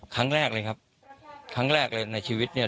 ครั้งแรกเลยครับครั้งแรกเลยในชีวิตเนี่ย